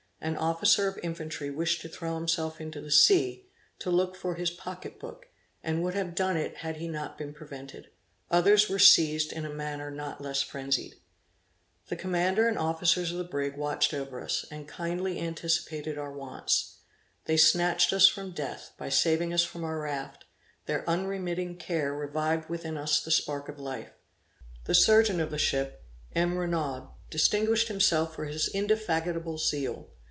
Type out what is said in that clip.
An officer of infantry wished to throw himself into the sea, to look for his pocket book, and would have done it had he not been prevented. Others were seized in a manner not less frenzied. The commander and officers of the brig watched over us, and kindly anticipated our wants. They snatched us from death, by saving us from our raft; their unremitting care revived within us the spark of life. The surgeon of the ship, M. Renaud, distinguished himself for his indefatigable zeal.